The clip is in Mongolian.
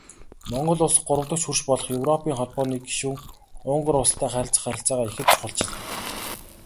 Монгол Улс гуравдагч хөрш болох Европын Холбооны гишүүн Унгар улстай харилцах харилцаагаа ихэд чухалчилдаг.